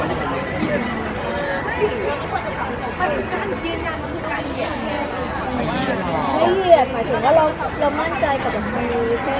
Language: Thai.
หรือของเรามาปลูกพี่พี่เรียกพี่แล้วเรียกพี่พูดว่า